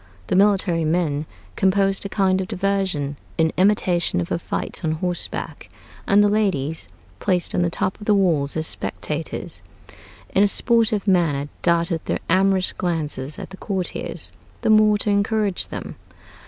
The military men composed a kind of diversion in imitation of a fight on horseback; and the ladies, placed on the top of the walls as spectators, in a sportive manner darted their amorous glances at the courtiers, the more to encourage them.